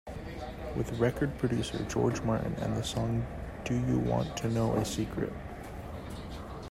With record producer George Martin, the song Do You Want to Know a Secret?